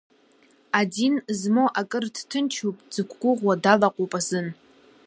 Адин змоу акыр дҭынчуп, дзықәыгәыӷуа далаҟоуп азын.